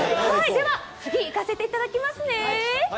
では次行かせていただきますね。